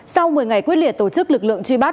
sau một mươi ngày quyết liệt tổ chức lực lượng truy bắt